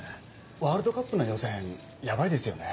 ワールドカップの予選ヤバいですよね。